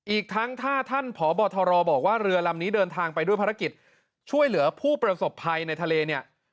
อีกทั้งถ้าท่านพบทรบอกว่าเรือลำนี้เดินทางไปด้วยภารกิจช่วยเหลือผู้ประสบภัยในทะเลเนี่ย